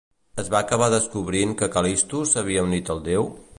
Es va acabar descobrint que Cal·listo s'havia unit al déu?